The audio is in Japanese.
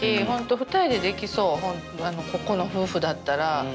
本当２人でできそうここの夫婦だったら。